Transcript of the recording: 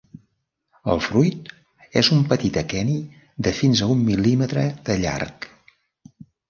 El fruit és un petit aqueni de fins a un mil·límetre de llarg.